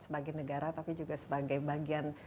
sebagai negara tapi juga sebagai bagian